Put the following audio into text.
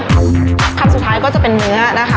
คำสุดท้ายก็จะเป็นเนื้อนะคะ